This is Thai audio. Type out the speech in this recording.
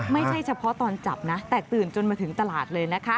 ไม่ใช่เฉพาะตอนจับนะแตกตื่นจนมาถึงตลาดเลยนะคะ